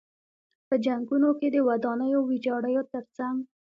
په جنګونو کې د ودانیو ویجاړیو تر څنګ.